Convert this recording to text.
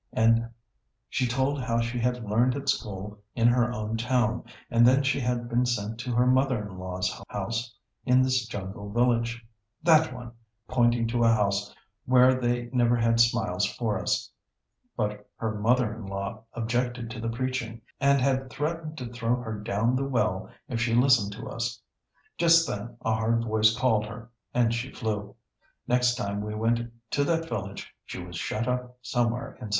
And she told how she had learned at school in her own town, and then she had been sent to her mother in law's house in this jungle village, 'that one,' pointing to a house where they never had smiles for us; but her mother in law objected to the preaching, and had threatened to throw her down the well if she listened to us. Just then a hard voice called her and she flew. Next time we went to that village she was shut up somewhere inside."